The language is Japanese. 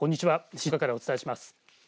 静岡からお伝えします。